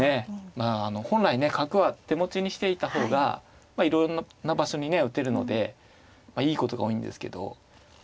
まああの本来ね角は手持ちにしていた方がいろんな場所にね打てるのでいいことが多いんですけどあえてね